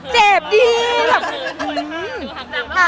เจ็บหรอ